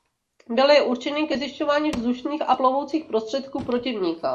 Byly určeny ke zjišťování vzdušných a plovoucích prostředků protivníka.